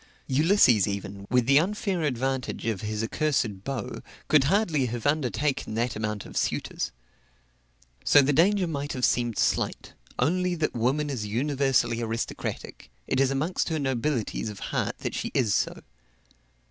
Ulysses even, with the unfair advantage of his accursed bow, could hardly have undertaken that amount of suitors. So the danger might have seemed slight only that woman is universally aristocratic; it is amongst her nobilities of heart that she is so.